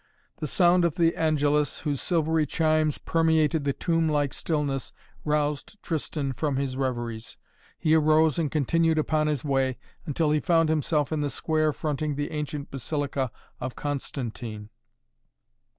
The sound of the Angelus, whose silvery chimes permeated the tomb like stillness, roused Tristan from his reveries. He arose and continued upon his way, until he found himself in the square fronting the ancient Basilica of Constantine.